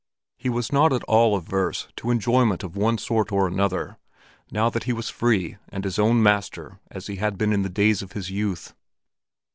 He was not at all averse to enjoyment of one sort or another, now that he was free and his own master as he had been in the days of his youth.